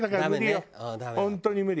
本当に無理。